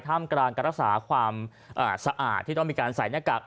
มกลางการรักษาความสะอาดที่ต้องมีการใส่หน้ากาก